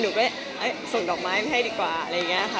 หนูก็ส่งดอกไม้มาให้ดีกว่าอะไรอย่างนี้ค่ะ